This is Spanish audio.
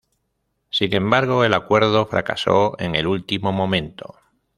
Sin embargo, el acuerdo fracasó en el último momento.